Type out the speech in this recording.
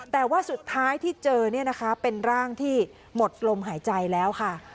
แต่ว่าสุดท้ายที่เจอเนี่ยนะคะเป็นร่างที่หมดลมหายใจแล้วค่ะ